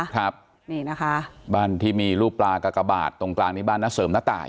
ครับนี่นะคะบ้านที่มีรูปปลากากบาทตรงกลางนี้บ้านน้าเสริมน้าตาย